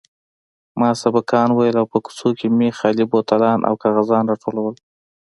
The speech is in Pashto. ما سبقان ويل او په کوڅو کښې مې خالي بوتلان او کاغذان راټولول.